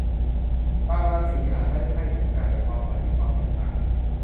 บางราศีอาจได้ไพ่เหมือนกัน แต่ความหมายมีความแตกต่าง